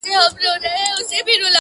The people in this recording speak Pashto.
څه وخت بعد یو خوستی ځوان راغی